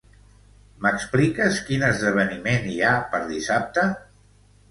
M'expliques quin esdeveniment hi ha per dissabte?